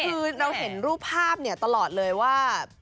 คือเราเห็นรูปภาพตลอดเลยว่า